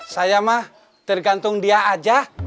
saya mah tergantung dia aja